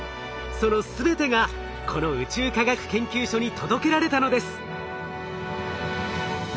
その全てがこの宇宙科学研究所に届けられたのです。